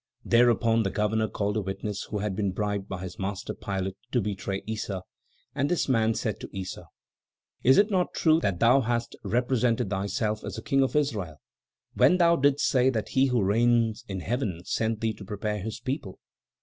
Thereupon the governor called a witness who had been bribed by his master, Pilate, to betray Issa, and this man said to Issa: "Is it not true that thou hast represented thyself as a King of Israel, when thou didst say that He who reigns in Heaven sent thee to prepare His people?"